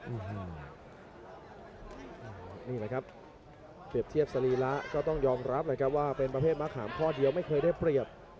นี่แหละครับเปรียบเทียบสรีระก็ต้องยอมรับแหละครับว่าเป็นประเภทมะขามข้อเดียวไม่เคยได้เปรียบ